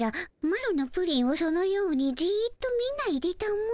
マロのプリンをそのようにじっと見ないでたも。